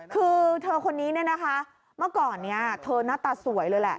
คือเธอคนนี้นะคะเมื่อก่อนเธอน่าตาสวยเลยแหละ